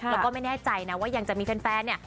แล้วก็ไม่แน่ใจนะว่ายังจะมีแฟนเนี่ย